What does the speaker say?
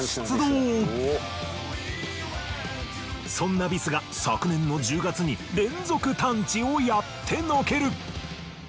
そんなビスが昨年の１０月に連続探知をやってのける。